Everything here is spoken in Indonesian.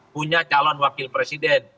punya calon wakil presiden